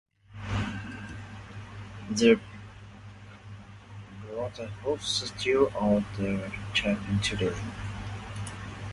The brotherhood still owns the chapel today.